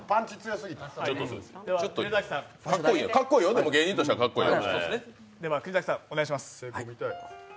でも、芸人としてはかっこいいよ。